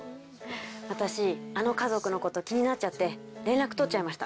私あの家族のこと気になっちゃって連絡取っちゃいました。